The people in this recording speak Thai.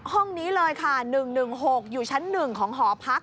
ห้องนี้เลยค่ะ๑๑๖อยู่ชั้น๑ของหอพัก